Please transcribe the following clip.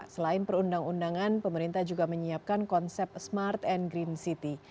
selain perundang undangan pemerintah juga menyiapkan konsep smart and green city